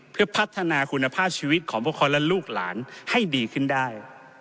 เพื่อพัฒนาคุณภาพชีวิตของพวกเขาและลูกหลานให้ดีขึ้นได้